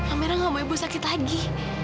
amirah gak mau ibu sakit lagi